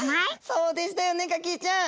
そうでしたよねガキィちゃん！